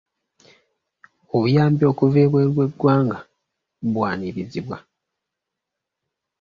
Obuyambi okuva ebweru w'eggwanga bwanirizibwa.